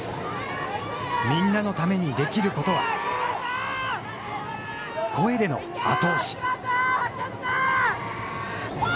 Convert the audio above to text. みんなのためにできることは声での後押し。